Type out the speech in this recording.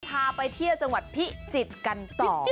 ทำวิดีโอพาไปเที่ยวจังหวัดพิจิตรกันต่อ